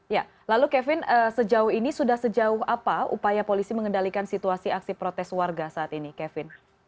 ya lalu kevin sejauh ini sudah sejauh apa upaya polisi mengendalikan situasi aksi protes warga saat ini kevin